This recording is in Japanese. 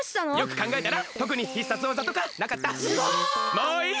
もういい！